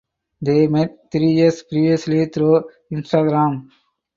They met three years previously through Instagram.